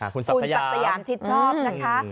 คุณศักดิ์สยามชิดชอบนะคะ